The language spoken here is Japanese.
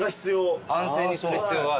安静にする必要がある。